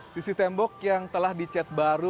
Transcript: sisi tembok yang telah dicet baru